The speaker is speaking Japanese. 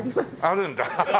あるんだ。